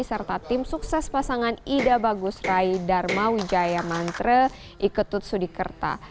serta tim sukses pasangan ida bagus rai dharma wijaya mantra iketut sudikerta